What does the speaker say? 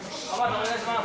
お願いします。